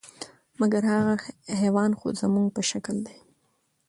مګر هغه حیوان خو زموږ په شکل دی،